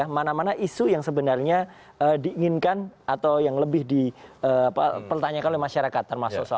mana mana isu yang sebenarnya diinginkan atau yang lebih dipertanyakan oleh masyarakat termasuk soal